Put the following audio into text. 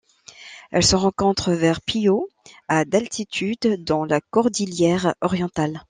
Elle se rencontre vers Puyo à d'altitude dans la cordillère Orientale.